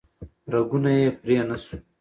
رګونه یې پرې نه شو